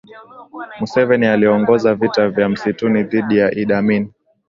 museveni aliongoza vita vya msituni dhidi ya idd amin